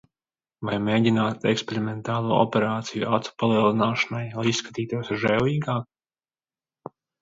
Vai mēģināt eksperimentālo operāciju acu palielināšanai, lai izskatītos žēlīgāk?